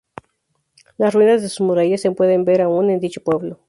Las ruinas de sus murallas se pueden ver aún en dicho pueblo.